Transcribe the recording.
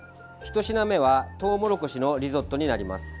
１品目はトウモロコシのリゾットになります。